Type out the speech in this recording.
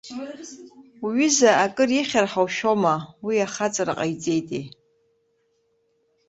Уҩыза акыр ихьыр ҳәа ушәома, уи ахаҵара ҟаиҵеите.